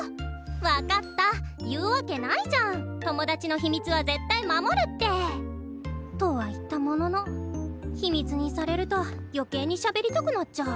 分かった言うわけないじゃん友達の秘密は絶対守るって。とは言ったものの秘密にされると余計にしゃべりたくなっちゃう。